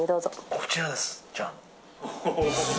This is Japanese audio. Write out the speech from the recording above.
こちらです。